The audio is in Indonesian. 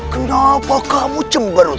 kenapa kamu cemberut